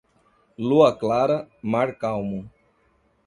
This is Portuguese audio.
Lua clara, mar calmo.